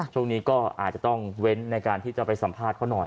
ช่วงนี้ก็อาจจะต้องเว้นในการที่จะไปสัมภาษณ์เขาหน่อย